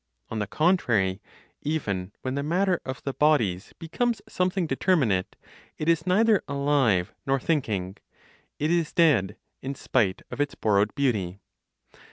On the contrary, even when the matter of the bodies becomes something determinate, it is neither alive nor thinking; it is dead, in spite of its borrowed beauty.